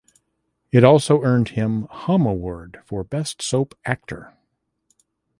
It also earned him Hum Award for Best Soap Actor.